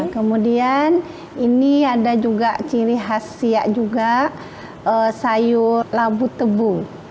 kemudian ini ada juga ciri khas siak juga sayur labu tebu